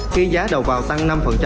khi giá đầu vào tăng năm